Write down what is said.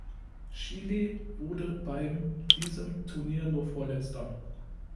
Chile wurde beim diesem Turnier nur Vorletzter.